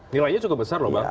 nilainya cukup besar loh bang